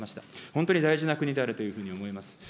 本当に大事な国であるというふうに思います。